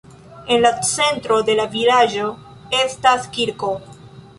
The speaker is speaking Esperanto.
En la centro de la vilaĝo estas kirko.